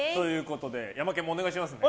ヤマケンもお願いしますね。